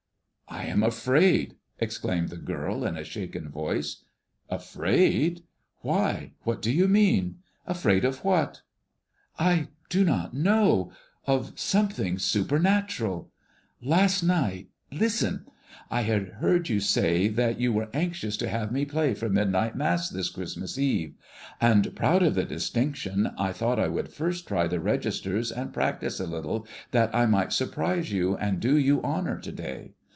"I am afraid!" exclaimed the girl, in a shaken voice. "Afraid? Why, what do you mean? Afraid of what?" "I do not know, of something supernatural. Last night listen. I had heard you say that you were anxious to have me play for midnight Mass this Christmas Eve; and, proud of the distinction, I thought I would first try the registers and practise a little, that I might surprise you and do you honor to day.